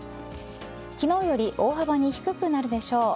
昨日より大幅に低くなるでしょう。